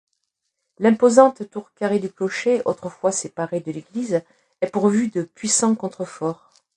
L'imposante tour carrée du clocher, autrefois séparée de l’église, est pourvue de puissants contreforts.